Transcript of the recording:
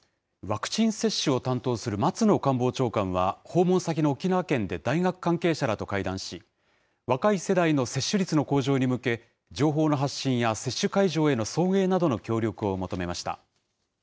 ワクチン接種を担当する松野官房長官は、訪問先の沖縄県で大学関係者らと会談し、若い世代の接種率の向上に向け、情報の発信や接種会場への送迎などの協力を求めました。